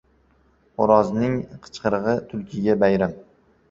• Xo‘rozning qichqirig‘i — tulkiga bayram.